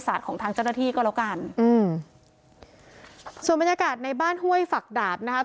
ส่วนบรรยากาศในบ้านห้วยฝักดาบนะครับ